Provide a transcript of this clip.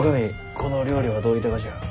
この料理はどういたがじゃ？